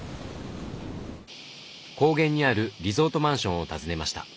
高原にあるリゾートマンションを訪ねました。